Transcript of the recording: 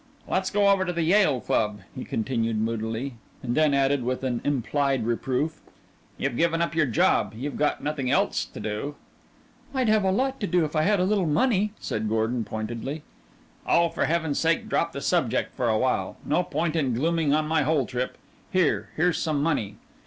"Let's go over to the Yale Club," he continued moodily, and then added with an implied reproof: "You've given up your job. You've got nothing else to do." "I'd have a lot to do if I had a little money," said Gordon pointedly. "Oh, for Heaven's sake drop the subject for a while! No point in glooming on my whole trip. Here, here's some money."